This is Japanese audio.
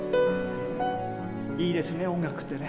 いいですね音楽ってね。